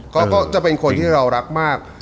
ก็จะเป็นคนที่เรารักมาก